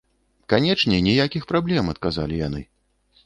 Канечне, ніякіх праблем, адказалі яны.